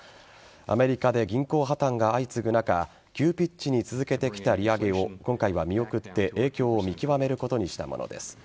アメリカで銀行破綻が相次ぐ中急ピッチに続けてきた利上げを今回は見送って影響を見極めることにしたものです。